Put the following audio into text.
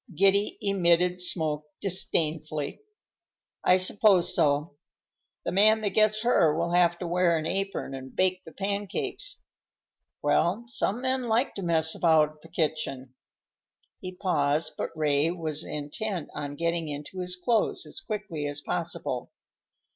Giddy emitted smoke disdainfully. "I suppose so. The man that gets her will have to wear an apron and bake the pancakes. Well, some men like to mess about the kitchen." He paused, but Ray was intent on getting into his clothes as quickly as possible.